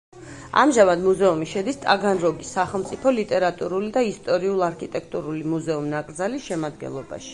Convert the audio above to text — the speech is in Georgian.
ამჟამად მუზეუმი შედის ტაგანროგის სახელმწიფო ლიტერატურული და ისტორიულ-არქიტექტურული მუზეუმ-ნაკრძალის შემადგენლობაში.